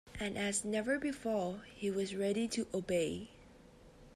And as never before, he was ready to obey.